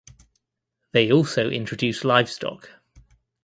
They also introduced livestock.